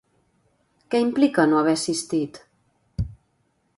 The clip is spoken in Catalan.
Què implica no haver assistit?